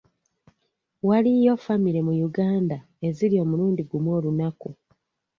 Waliyo famire mu Uganda ezirya omulundi gumu olunaku.